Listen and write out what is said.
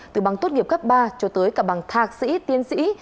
từ bằng tốt nghiệp cấp ba cho tới cả bằng thạc sĩ tiến sĩ